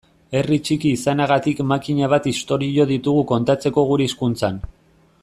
Herri txiki izanagatik makina bat istorio ditugu kontatzeko gure hizkuntzan.